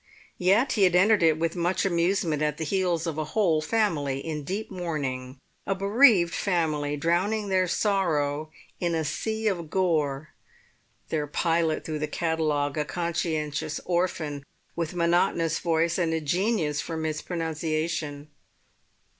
Yet he had entered it with much amusement at the heels of a whole family in deep mourning, a bereaved family drowning their sorrow in a sea of gore, their pilot through the catalogue a conscientious orphan with a monotonous voice and a genius for mis pronunciation.